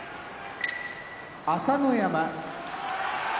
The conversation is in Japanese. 朝乃山